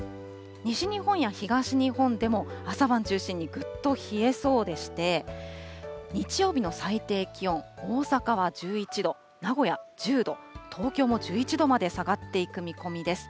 西日本や東日本でも朝晩を中心にぐっと冷えそうでして、日曜日の最低気温、大阪は１１度、名古屋１０度、東京も１１度まで下がっていく見込みです。